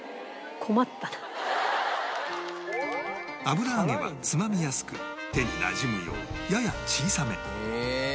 油揚げはつまみやすく手になじむようやや小さめ